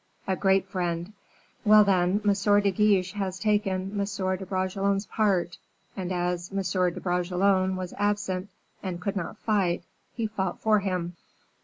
"A great friend." "Well, then, M. de Guiche has taken M. de Bragelonne's part; and as M. de Bragelonne was absent and could not fight, he fought for him."